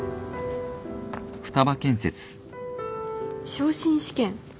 昇進試験？